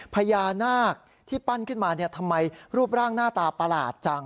พญานาคที่ปั้นขึ้นมาทำไมรูปร่างหน้าตาประหลาดจัง